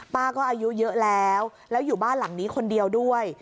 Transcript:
ป้าก็อายุเยอะแล้วแล้วอยู่บ้านหลังนี้คนเดียวด้วย